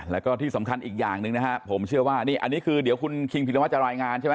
แล้วก็ที่สำคัญอีกอย่างหนึ่งนะฮะผมเชื่อว่านี่อันนี้คือเดี๋ยวคุณคิงพิรวัตรจะรายงานใช่ไหม